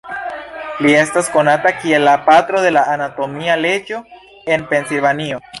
Li estas konata kiel la "Patro de la Anatomia Leĝo" en Pensilvanio.